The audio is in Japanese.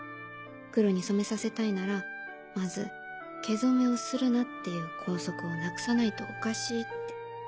黒に染めさせたいならまず毛染めをするなっていう校則をなくさないとおかしいって。